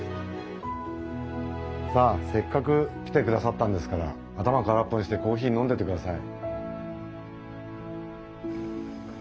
さあせっかく来てくださったんですから頭空っぽにしてコーヒー飲んでってください。